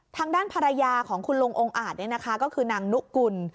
ทางด้านภรรยาของคุณลุงองค์อาจก็คือนางนุกุล